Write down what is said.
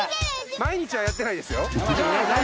毎日はやってないですよ。